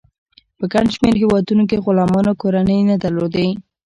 په ګڼ شمیر هیوادونو کې غلامانو کورنۍ نه درلودې.